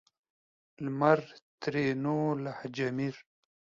لمر؛ ترينو لهجه مير